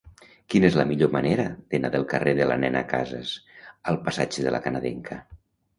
Quina és la millor manera d'anar del carrer de la Nena Casas al passatge de La Canadenca?